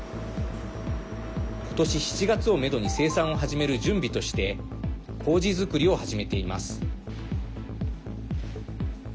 今年７月をめどに生産を始める準備としてこうじ作りを始めています。